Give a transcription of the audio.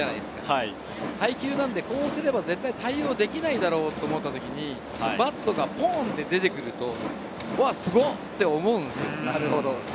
こうすれば絶対対応できないだろうと思ったときに、バットが出てくると、すごい！と思うんですよ。